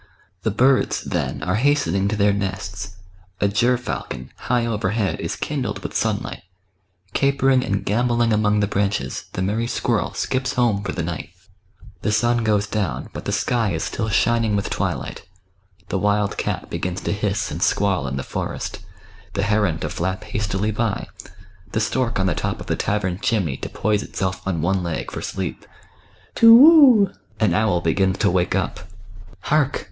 The birds then are hastening to their nests, a ger falcon, high overhead, is kindled with sunlight ; capering and gambolling among the branches, the merry squirrel skips home for the night. The sun goes down, but the sky is still shining with twilight. The wild cat begins to hiss and squall in the forest, the heron to flap hastily by, the stork on the top of the tavern chimney to poise itself on one leg for sleep. To whoo ! an owl begins to wake up. Hark